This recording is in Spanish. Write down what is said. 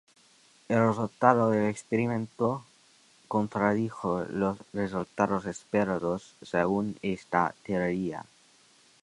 El resultado del experimento contradijo los resultados esperados según esta teoría.